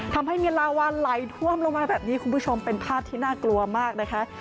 ทำให้มีลาวานไหลท่วมลงมาแบบนี้คุณผู้ชมเป็นภาพที่น่ากลัวมากนะคะ